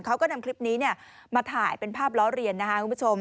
เขาก็นำคลิปนี้มาถ่ายเป็นภาพล้อเรียนนะคะคุณผู้ชม